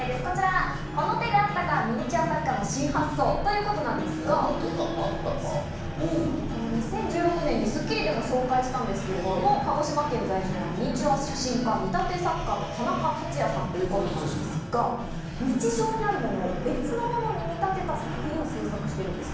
こちら、この手があったか、ミニチュア作家の新発想ということですが、これ、２０１６年に『スッキリ』でもご紹介したんですけれども、鹿児島県在住のミニチュア写真家、見立て作家の田中達也さん。ということなんですが、日常にあるものを別のものに見立てた作品を制作しているんです。